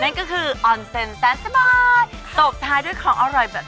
นั่นก็คือออนเซ็นแสนสบายตบท้ายด้วยของอร่อยแบบ